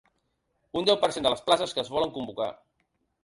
Un deu per cent de les places que es volen convocar.